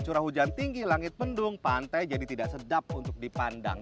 curah hujan tinggi langit mendung pantai jadi tidak sedap untuk dipandang